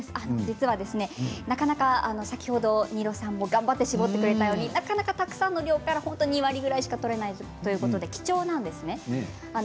なかなか新納さんも頑張って搾ってくれたようにたくさんの量から２割ぐらいしか取れないということで貴重なんですね。